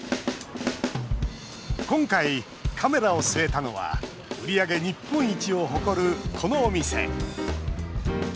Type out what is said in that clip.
今回、カメラを据えたのは売り上げ日本一を誇る、このお店。